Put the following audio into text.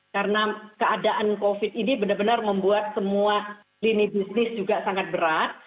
karena keadaan covid ini benar benar membuat semua lini bisnis juga sangat berat